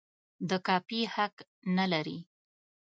د کاپي حق نه لري.